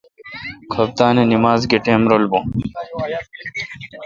کھپتان اے نمز گہ ٹیم بون